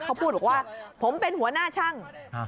เขาพูดบอกว่าผมเป็นหัวหน้าช่าง